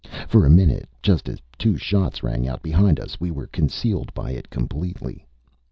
For a minute, just as two shots rang out behind us, we were concealed by it completely.